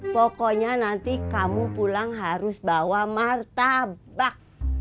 pokoknya nanti kamu pulang harus bawa martabak